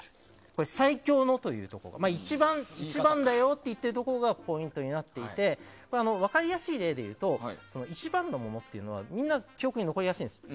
これは最強のというところ一番だよと言っているところがポイントになっていて分かりやすい例でいうと一番のものっていうのはみんな記憶に残りやすいんです。